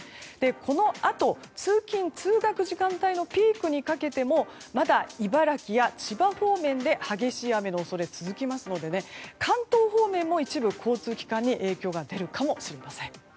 このあと、通勤・通学時間帯のピークにかけてもまだ茨城や千葉方面で激しい雨の恐れが続くので関東方面も一部交通機関に影響が出るかもしれません。